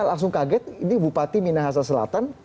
langsung kaget ini bupati minahasa selatan